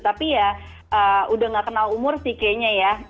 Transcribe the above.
tapi ya udah gak kenal umur sih kayaknya ya